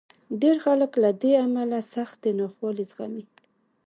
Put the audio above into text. ډېر خلک له دې امله سختې ناخوالې زغمي.